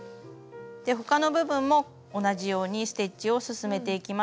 他の部分も同じようにステッチを進めていきます